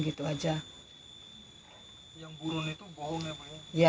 yang burun itu bohong ya pak